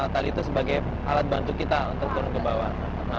tadi itu sebagai alat bantu kita untuk turun ke bawah